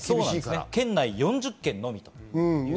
県内４０軒のみと。